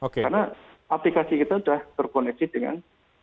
karena aplikasi kita sudah terkoneksi dengan